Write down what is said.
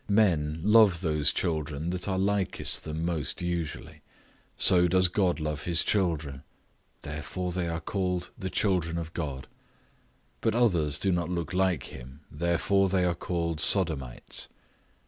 Men love those children that are likest them most usually; so does God his children; therefore they are called the children of God. But others do not look like him, therefore they are called Sodomites.